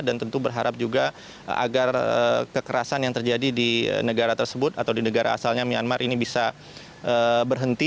dan tentu berharap juga agar kekerasan yang terjadi di negara tersebut atau di negara asalnya myanmar ini bisa berhenti